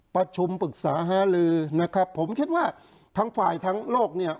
ประชุมปรึกษาหาลือนะครับผมคิดว่าทั้งฝ่ายทั้งโลกเนี่ย